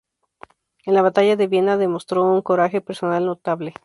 En la Batalla de Viena demostró un coraje personal notable.